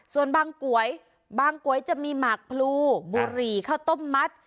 ส่วนบางก๋วยบางก๋วยจะมีหมากพลูบุหรี่ข้าวต้มมัด